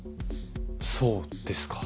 そうですか。